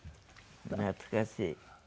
懐かしい。